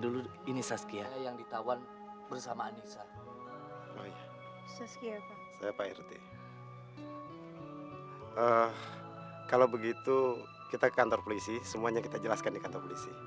dulu begitu kita ke kantor polisi semuanya kita jelaskan di kantor polisi